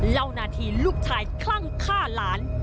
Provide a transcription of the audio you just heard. เล่านาทีลูกชายคลั่งฆ่าหลาน